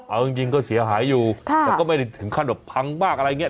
เอาจริงก็เสียหายอยู่แต่ก็ไม่ได้ถึงขั้นแบบพังมากอะไรอย่างนี้